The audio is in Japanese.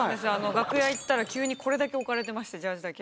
楽屋行ったら急にこれだけ置かれてましたジャージだけ。